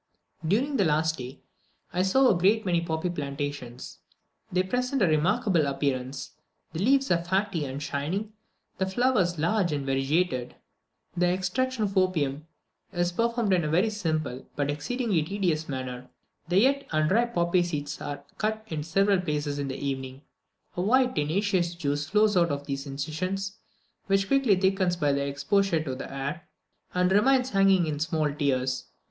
During the last day I saw a great many poppy plantations. They present a remarkable appearance; the leaves are fatty and shining, the flowers large and variegated. The extraction of the opium is performed in a very simple, but exceedingly tedious manner. The yet unripe poppy heads are cut in several places in the evening. A white tenacious juice flows out of these incisions, which quickly thickens by exposure to the air, and remains hanging in small tears.